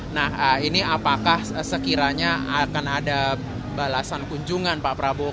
nah ini apakah sekiranya akan ada balasan kunjungan pak prabowo